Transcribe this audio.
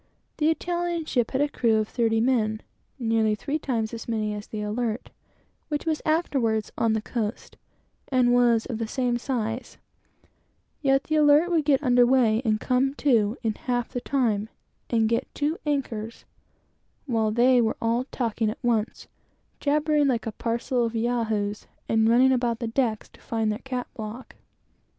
The Italian ship had a crew of thirty men; nearly three times as many as the Alert, which was afterwards on the coast, and was of the same size; yet the Alert would get under weigh and come to in half the time, and get two anchors, while they were all talking at once jabbering like a parcel of "Yahoos," and running about decks to find their cat block.